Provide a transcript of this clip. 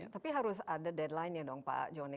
tapi harus ada deadline nya dong pak joni